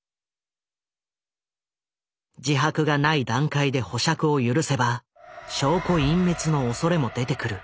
自白がない段階で保釈を許せば証拠隠滅のおそれも出てくる。